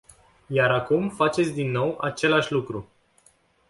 Iar acum faceți din nou același lucru.